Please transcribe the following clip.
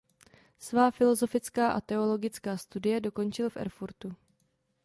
Svá filosofická a teologická studia dokončil v Erfurtu.